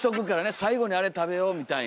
最後にあれ食べようみたいに。